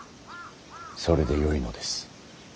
それでよいのです。